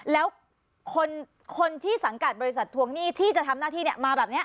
แล้วคนที่สังกัดบริษัททวงหนี้ที่จะทำหน้าที่เนี่ยมาแบบนี้